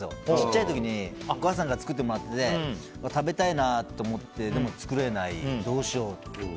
小さい時にお母さんに作ってもらってて食べたいなと思ってでも作れない、どうしよう。